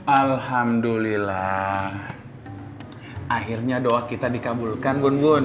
alhamdulillah akhirnya doa kita dikabulkan bun